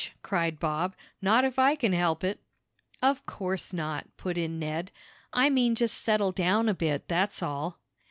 cried Bob. "Not if I can help it!" "Of course not," put in Ned. "I mean just settle down a bit, that's all."